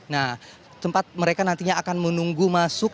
nah tempat mereka nantinya akan menunggu masuk